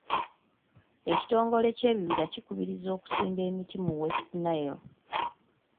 Ekitongole ky'ebibira kikubirizza okusimba emiti mu West Nile.